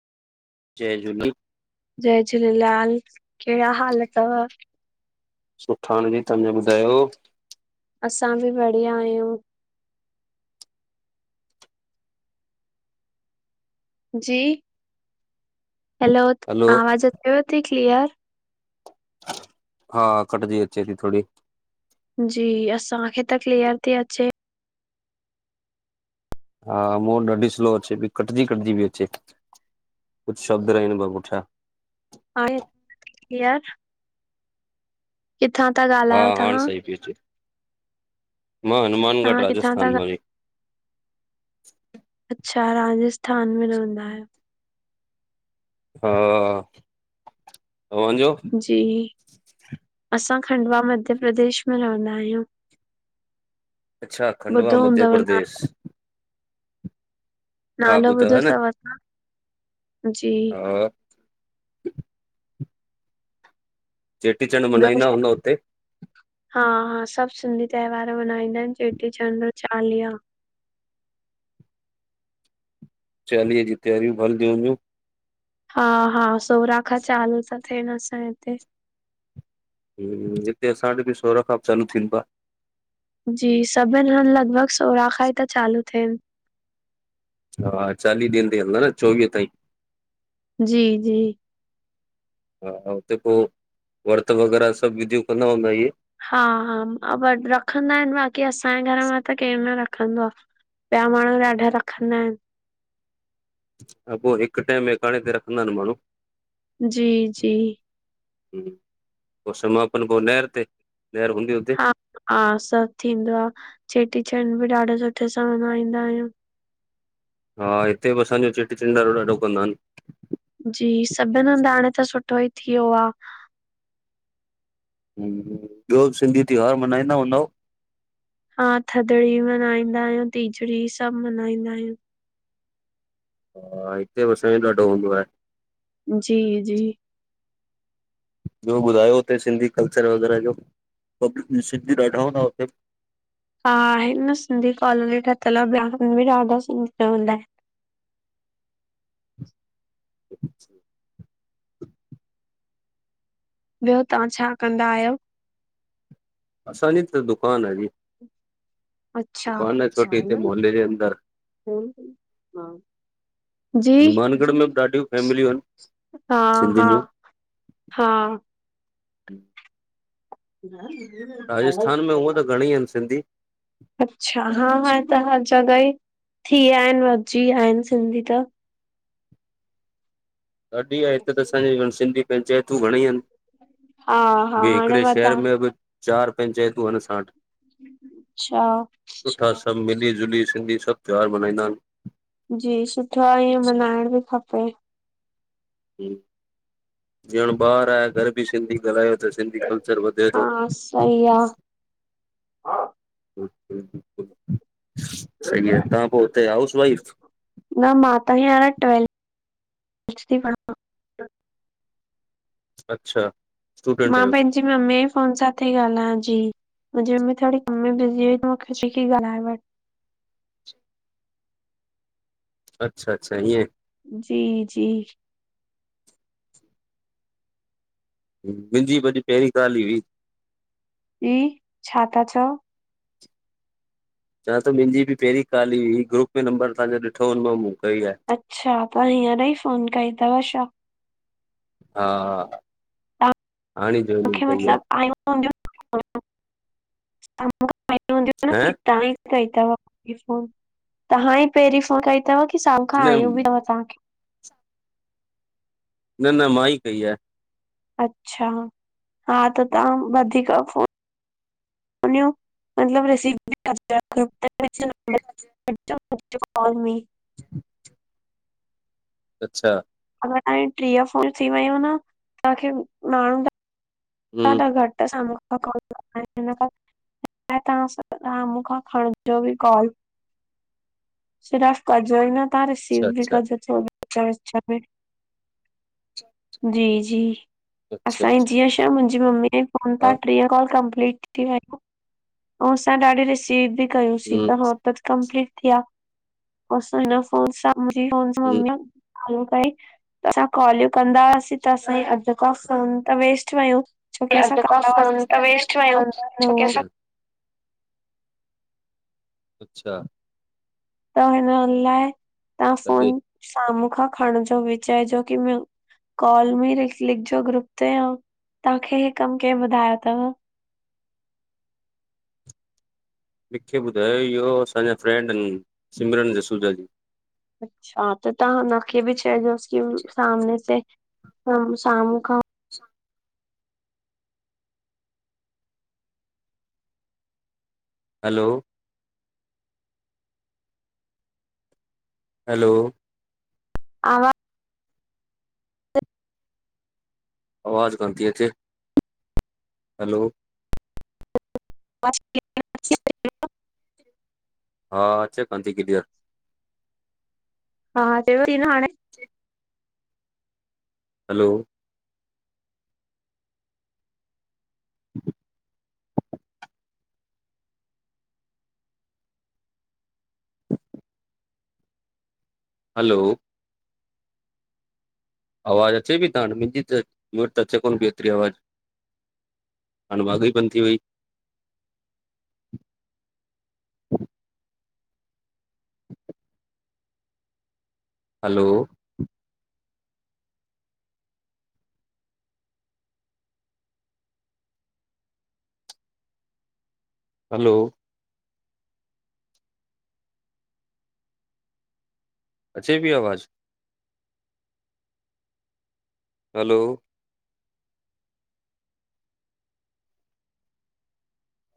जय झूले। जय झूलेलाल। कहिड़ा हाल तव? सुठा नजी तव्हां ॿुधायो [unintelligible] असां भी बढ़िया आहियूं। जी हलो आवाज़ अचेव थी क्लीअर? हा कटजी अचे थी थोरी। जी असांखे त किलीअर थी अचे। हा मुह वट ॾाढी स्लो अचे पई कटजी- कटजी बि अचे कुछ शब्द रहन पया पुठया। हाणे न [unintelligible] हा ॻाल्हायो हाण तव्हां? सही ती अचे। मां, हनुमानगढ़ तव्हां किथां था राजस्थान ॻाल- मां अच्छा, राजस्थान में रवंदा आयो। हा, तव्हांजो? जी असां, खंडवा मध्य प्रदेश में रवंदा आयूं। अच्छा, खंडवा ॿुधो मध्य हूंदव न प्रदेश। हा नालो ॿुधव ॿुधो न तव, तां, जी? हा चेटीचंड ॿियो मनाईंदा छा हूंदउ उते? हा हा, सभ सिंधी त्योहार मल्हाईंदा आहिन, चेटीचंड चालीहा। चालीहे जूं त्यार्यूं बि हलंदयूं हूंदयूं? हा हा, सोरां खां चालू ता थेन, असांजे हिते। हूं, हिते असां वट बि सोरहां खां बि चालू थींदो आहे। जी सभिन हंध, लगभग सोरां खां ई त चालू थेन। हा, चालीह ॾींहंन तांई हलंदा न, चोवीहं ताईं। जी जी हा, उते पो, वर्त वग़ैरा सभ विधयूं कंदा हूंदा, इहे? हा हा, शर्त रखंदा एन, बाक़ी असांजे घर मां त केरु न रखंदो आ। ॿया माण्हूं ॾाढा रखंदा एन। हा, पो हिक टैम एकांणे ते रखंदा एन, माण्हूं। जी जी हूं, पो समापन पो नहर ते, नहर हूंदी उते? हा, सभ थींदो आ, चेटीचंड बि ॾाढो सुठे सां मल्हाईंदा आयूं। हा, हिते बि असांजो, चेटीचंड ॾाढ़ो ॾाढ़ो कंदान। जी, सभिन हंध, हाणे त सुठो ई थी व्यो आ। ॿयो बि सिंधी त्योहार मनांईंदा हूंदव? हा, थदड़ी मनाईंदायूं, तीजड़ी सभ मनाईंदायूं। हा, हिते असांजे ॾाढो हूंदो आहे। जी जी ॿयो ॿुधायो, उते सिंधी कल्चर वग़ैरा जो, सिंधी ॾाढा हूंदा उते? हा, आहिन न, सिंधी कॉलोनी ठयल आ, वहां बि ॾाढा सिंधी रवंदा एन। [inaudible] ॿयो, तहां छा कंदा आयो? असांजी त, दुकान आ जी। अच्छा। दुकान आ, छोटी हिते मुहल्ले जे अंदर। हूं, हा हनुमानगढ़ में बि ॾाढ्यूं फैमलियूं एन, हा हा सिंधिन जूं। हा [inaudible] राजस्थान में, हूअं त घणेई अन सिंधी। अच्छा, हा हाणे त हर जॻह ही थी व्या एन, वधजी व्या एन सिंधी त। ॾाढ़ी आ, हिते त असांजी, सिंधी पंचायतूं घणेई एन। हा हा ॿे हाणे हिकड़े वधा शहर में बि चार पंचायतूं अन असां वट। अच्छा सुठा, सभ मिली जुली, सिंधी सभ त्योहार मनाईंदान। जी सुठो आ, ईंयं मनाइंण बि खपे ॼणु ॿार आहे घर बि सिंधी ॻाल्हायो त सिंधी कल्चर वधे थो। हा सही सही आहे, आ। तव्हां पो त हाउस वाइफ? न मा त हे हाणे ट्वेल्थ ती पढां अच्छा स्टूडेंट मां आहियो पंहिंजी मम्मीअ जे फोन सां ती ॻाल्हायां जी। मुंजी मम्मी थोड़ी कम बिज़ी हुई त मुखे च्यंईं की ॻाल्हाए वठि अच्छा -अच्छा ईंयें। जी -जी मुंहिंजी भी अॼु पहिरीं काल ई हुई। ई, छाता चओ? चवां तो मुंहिंजी बि पहिरीं काल ई हुई, ग्रुप में नंबर तव्हांजो ॾिठो, हुन मां मूं कई आहे। अच्छा त हींअर ई फोन कई तव छा? हा हाणे जॉइनिंग कई आहे मतब [unintelligible] हं? तहांई कई तव पहिरीं फोन, तव्हां ई पहिरी फोन कई तव कि कि साम्हूं खां न आयूं बि तव तव्हांखे? न न मां ई कई आहे। अच्छा, हा त तव्हां वधीक फोन फोन्यूं मतलब रिसीव ृॉ [unintelligible] [inaudible] अच्छा अगरि तव्हां जी टीह फोन थी वयूं न तव्हांखे माण्हुन जा हम्म ॾाढा घटि साम्हूं ख [unintelligible] तव्हां मुखा खणिजो बि कॉल। सिरफ कजोई न, तहां रिसीव अच्छा बि अच्छा कजो थोड़ी विच -विच में, जी -जी अच्छा अच्छा असांजी जीअं मुंहिंजी मम्मीअ जी फ़ोन हा तां ट्रीह कॉल कंप्लीट थी थी वयूं अंउं असां ॾाढी रिसीव बि कयुंसीं हम्म त हो त कंपलीट थीया असां हिन फोन सां, मुंजी फोन सां हम्म। मम्मी चालू कई, असां कॉलियूं कंदा वयासीं त असांजी अध खां फोन त वेस्ट वयूं छोकी अब असां जेको कन्दा हुआ सिस त केरु वेस्ट वियो खणंदो न छोकी हुओ। असां अच्छा। त हिन लाए, तव्हां फोन तॾहिं साम्हूं खां खणिंजो बि चएजो कि म कॉल मी लिख लिखजो ग्रुप ते, अंउं तव्हांखे हे कम केहें ॿुधायो तव? मिखे ॿुधायो इह्यो असांजा फ्रेंंड हिनि सिमरन जसूजा जी। अच्छा त तव्हां हुनखे बि चइजोस की सामने से साम्हूं खां हैलो हैलो आवा आवाज़ कान थी अचे हलो, बस [inaudible] हा अचे तां जी क्लीयर। हा, अचेव ती न हाणे? जी [inaudible] हलो, [inaudible] हलो, आवाज़ु अचे पी तां वट मुंहिंजी त? मूंवट त अचे कोन पई एतिरी आवाज़ु। हाणे माघे ई बंद थी वई। हलो, हलो, अचे पी आवाज़ु? हलो,